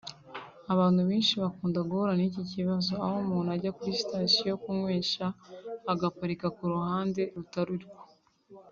Abantu benshi bakunda guhura n’iki kibazo aho umuntu ajya kuri Station kunywesha agaparika mu ruhande rutari rwo